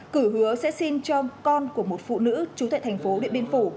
cử hứa sẽ xin cho con của một phụ nữ trú tại thành phố điện biên phủ